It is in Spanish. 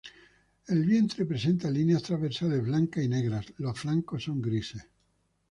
El vientre presenta líneas transversales blancas y negras, los flancos son grises.